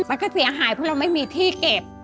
มันก็เสียหายเพราะเราไม่มีที่เก็บ